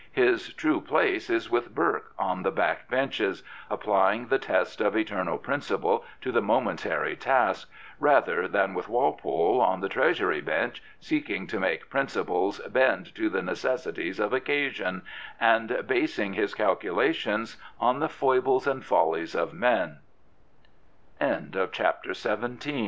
Hirirue place is with Burke on the back benches, applying the test of eternad prin ciple to the momentary task, rather than with Walpole on the Treasury bench, seeking to make principles bend to the necessities of occasion, and basing his calculations on the foibles and follies of